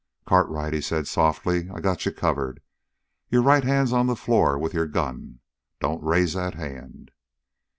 "Cartwright," he said softly, "I got you covered. Your right hand's on the floor with your gun. Don't raise that hand!"